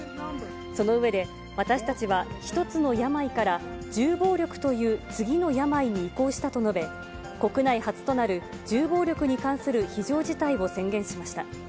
その上で、私たちは１つの病から銃暴力という次の病に移行したと述べ、国内初となる、銃暴力に関する非常事態を宣言しました。